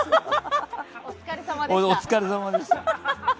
お疲れさまでした。